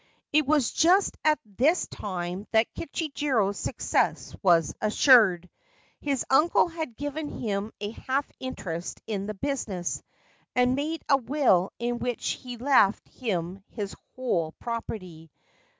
It was just at this time that Kichijiro's success was assured : his uncle had given him a half interest in the business and made a will in which he left him his whole property.